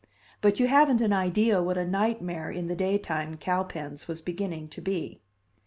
But you haven't an idea what a nightmare in the daytime Cowpens was beginning to be.